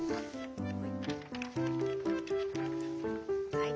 はい。